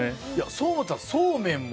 それやったら、そうめんも。